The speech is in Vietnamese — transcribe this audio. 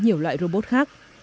nhiều loại robot khác